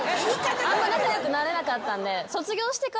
あんま仲良くなれなかったんで。